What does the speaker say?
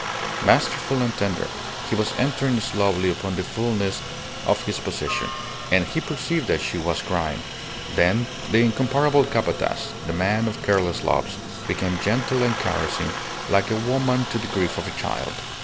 Masterful and tender, he was entering slowly upon the fulness of his possession. And he perceived that she was crying. Then the incomparable Capataz, the man of careless loves, became gentle and caressing, like a woman to the grief of a child.